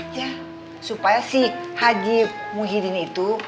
ya supaya si haji muhyiddin itu